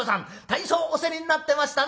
大層お競りになってましたな」。